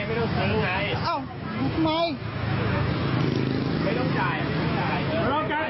ปล่อยไม่เป็นไรพี่